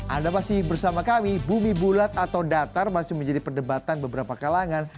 anda masih bersama kami bumi bulat atau datar masih menjadi perdebatan beberapa kalangan